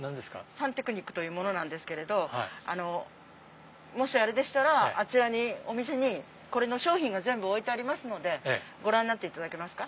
サンテクニックというものなんですけれどもしあれでしたらお店に商品が全部置いてますのでご覧になっていただけますか？